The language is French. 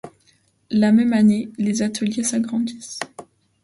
La même année, les ateliers s'agrandissent.